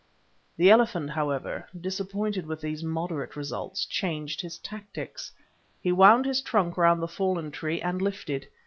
The elephant, however, disappointed with these moderate results, changed his tactics. He wound his trunk round the fallen tree and lifted.